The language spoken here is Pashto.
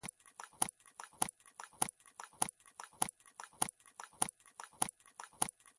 سیند دې ولید؟ هو، هغه خو له وړاندې لا تر غاړې بهېده.